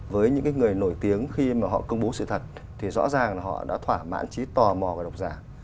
với những người nổi tiếng khi mà họ công bố sự thật thì rõ ràng là họ đã thỏa mãn trí tò mò của độc giả